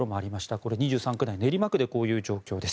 これ、２３区内練馬区でこういう状況です。